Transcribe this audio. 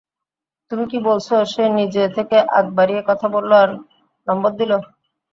তুমি কি বলছো সে নিজে থেকে আগ বাড়িয়ে কথা বলল আর নম্বর দিলো?